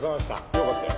よかったよ。